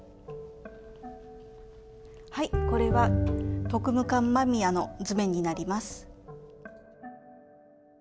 これは特務艦間宮の図面になります。